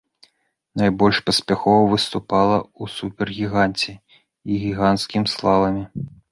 Найбольш паспяхова выступала ў супергіганце і гіганцкім слаламе.